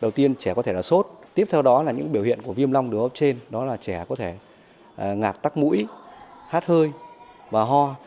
đầu tiên trẻ có thể là sốt tiếp theo đó là những biểu hiện của viêm long đường hô hấp trên đó là trẻ có thể ngạc tắc mũi hát hơi và ho